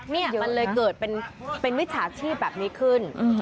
นี่มันเลยเกิดเป็นมิจฉาชีพแบบนี้ขึ้น